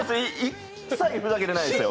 一切ふざけてないですよ。